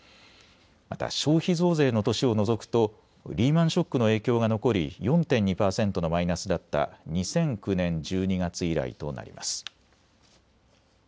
また消費増税の年を除くとリーマンショックの影響が残り４．２％のマイナスだった２００９年１２月以来となります。